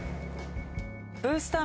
ブースター？